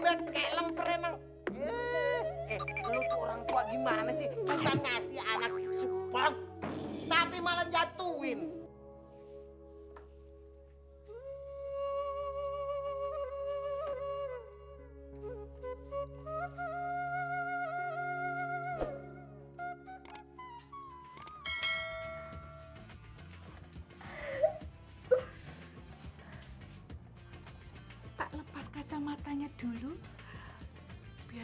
saya teringat kalau saya itu wanita tercantik tak antar jagad raya dunia